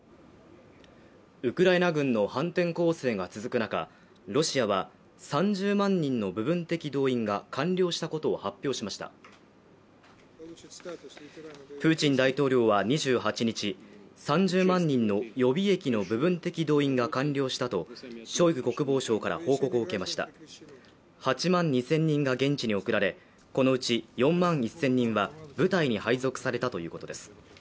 ウクライナ軍の反転攻勢が続く中ロシアは３０万人の部分的動員が完了したことを発表しましたプーチン大統領は２８日３０万人の予備役の部分的動員が完了したとショイグ国防相から報告を受けました８万２０００人が現地に送られこのうち４万２０００人は部隊に配属されたということです